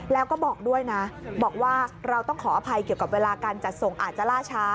แล้วก็บอกด้วยนะบอกว่าเราต้องขออภัยเกี่ยวกับเวลาการจัดส่งอาจจะล่าช้า